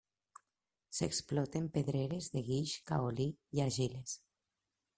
S'exploten pedreres de guix, caolí i argiles.